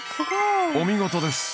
お見事です！